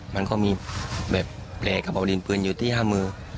มันก็มีแบบแปลกกับเบาลินปืนอยู่ที่๕มือ